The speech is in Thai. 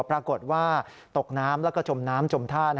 ปรากฏว่าตกน้ำแล้วก็จมน้ำจมท่า